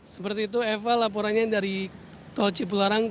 selain itu eva laporannya dari tol cipul haram